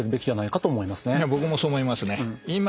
僕もそう思いますね。